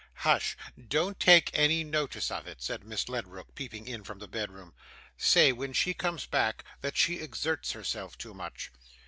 'Hush! Don't take any notice of it,' said Miss Ledrook, peeping in from the bedroom. 'Say, when she comes back, that she exerts herself too much.